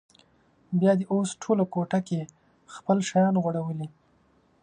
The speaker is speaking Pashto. بیا دې اوس ټوله کوټه کې خپل شیان غوړولي.